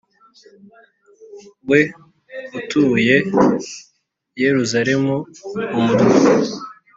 We utuye i Yerusalemu mumurwa